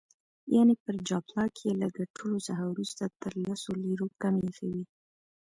یعني پر جاپلاک یې له ګټلو څخه وروسته تر لسو لیرو کمې ایښي وې.